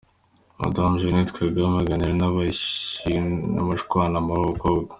Madamu Jeannette Kagame aganira n’abagishwanama b’abakobwa.